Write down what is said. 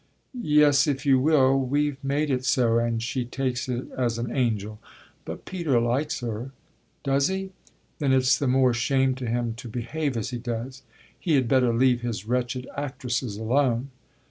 "Yes, if you will we've made it so, and she takes it as an angel. But Peter likes her." "Does he? Then it's the more shame to him to behave as he does. He had better leave his wretched actresses alone.